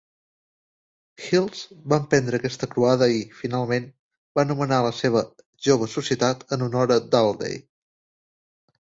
Hills va emprendre aquesta croada i, finalment, va anomenar la seva jove societat en honor a Doubleday.